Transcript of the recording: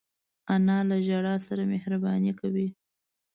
انا له ژړا سره مهربانې کوي